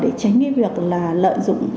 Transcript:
để tránh cái việc là lợi dụng